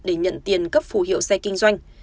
để nhận tiền cấp phù hiệu xe kinh doanh